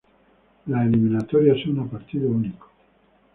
Las eliminatorias son a partido único.